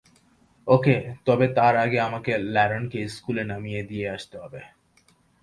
ওকে, তবে তার আগে আমাকে ল্যরেনকে স্কুলে নামিয়ে দিয়ে আসতে হবে।